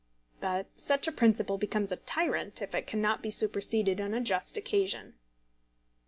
But such a principle becomes a tyrant if it cannot be superseded on a just occasion.